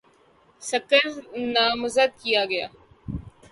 سکر نامزدگیاں